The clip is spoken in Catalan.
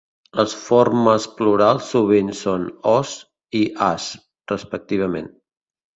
Les formes plurals sovint són "-os" i "-as" respectivament.